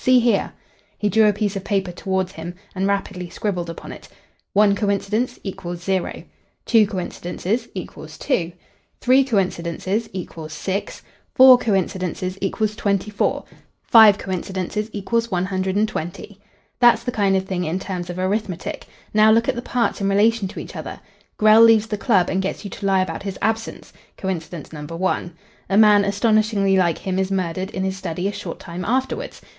See here." He drew a piece of paper towards him and rapidly scribbled upon it. One coincidence .....= 0 Two coincidences ....= 2 Three coincidences ...= 6 Four coincidences ...= 24 Five coincidences ...= 120 "That's the kind of thing in terms of arithmetic. Now look at the parts in relation to each other. Grell leaves the club and gets you to lie about his absence. Coincidence number one. A man astonishingly like him is murdered in his study a short time afterwards.